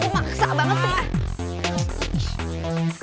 mbak maksa banget sih